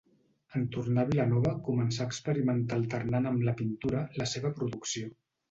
En tornar a Vilanova començà a experimentar alternant amb la pintura la seva producció.